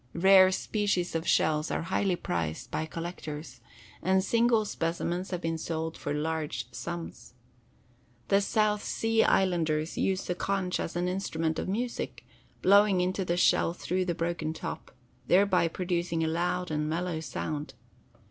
Rare species of shells are highly prized by collectors, and single specimens have been sold for large sums. The South Sea Islanders use the conch as an instrument of music, blowing into the shell through the broken top, thereby producing a loud and mellow sound.